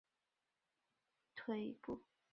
柴犬经常会用舌头清洁自己的脚掌和腿部。